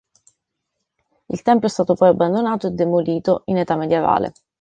Il tempio è stato poi abbandonato e demolito in età medievale.